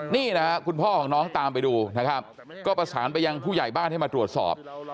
นี่นะครับคุณพ่อของน้องตามไปดูนะครับก็ประสานไปยังผู้ใหญ่บ้านให้มาตรวจสอบ